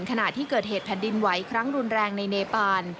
ขณะที่เกิดเหตุแผ่นดินไหวครั้งรุนแรงในเนปาน